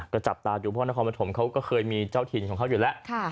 ก็จับตาดูเพราะนครปฐมเขาก็เคยมีเจ้าถิ่นของเขาอยู่แล้ว